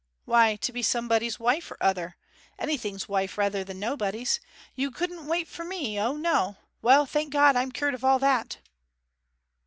'Why to be somebody's wife or other anything's wife rather than nobody's. You couldn't wait for me, O, no. Well, thank God, I'm cured of all that!'